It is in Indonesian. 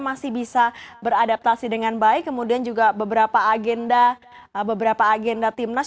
masih bisa beradaptasi dengan baik kemudian juga beberapa agenda beberapa agenda timnas